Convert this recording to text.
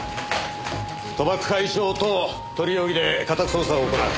賭博開帳等図利容疑で家宅捜索を行う。